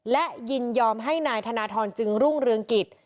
และยินยอมให้นายธนทรจึงรุ่งเรืองกิจ